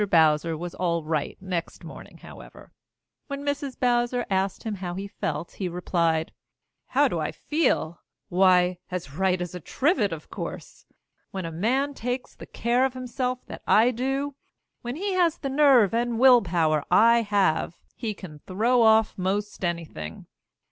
Bowser was all right next morning, however. When Mrs. Bowser asked him how he felt he replied: "How do I feel? Why, as right as a trivet, of course. When a man takes the care of himself that I do when he has the nerve and will power I have he can throw off 'most anything.